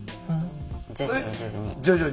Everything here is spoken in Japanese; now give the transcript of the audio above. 徐々に徐々に。